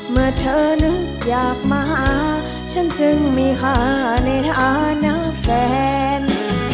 เมื่อเธอนึกอยากมาฉันจึงมีค่าในฐานะแฟน